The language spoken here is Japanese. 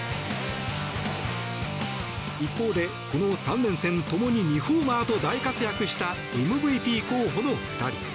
一方で、この３連戦共に２ホーマーと大活躍したＭＶＰ候補の２人。